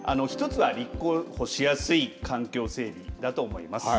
１つは立候補しやすい環境整備だと思います。